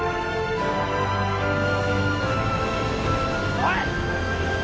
おい！